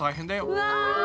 うわ！